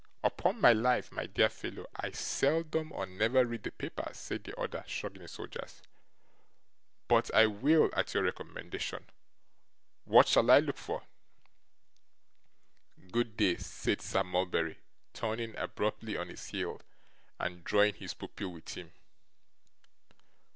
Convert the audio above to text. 'Upon my life, my dear fellow, I seldom or never read the papers,' said the other, shrugging his shoulders, 'but I will, at your recommendation. What shall I look for?' 'Good day,' said Sir Mulberry, turning abruptly on his heel, and drawing his pupil with him.